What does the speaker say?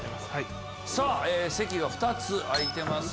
さぁ席が２つ空いてます。